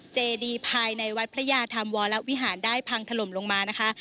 เจดีภายในวัดพระยาธรรมวรวิหารได้พังถล่มลงมานะคะ